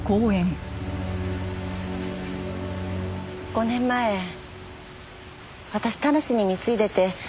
５年前私田無に貢いでて。